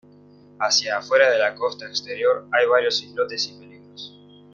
Hacia afuera de la costa exterior hay varios islotes y peligros.